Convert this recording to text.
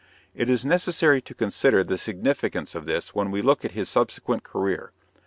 It is necessary to consider the significance of this when we look at his subsequent career.